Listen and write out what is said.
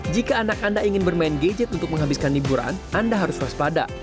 jika anak anda ingin bermain gadget untuk menghabiskan liburan anda harus waspada